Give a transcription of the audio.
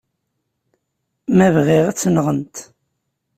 Ma bɣiɣ, ad tt-nɣent.